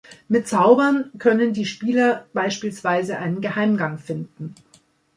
Mit „Zaubern“ können die Spieler beispielsweise einen Geheimgang finden.